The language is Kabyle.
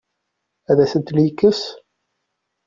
Ad asent-ten-yekkes?